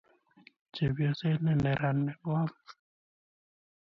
Chepyoset ne neran ne ngom